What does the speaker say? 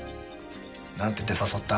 なんて言って誘った？